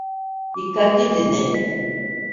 Dikkatli dinle.